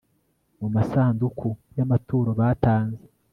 mu masanduku y amaturo batanze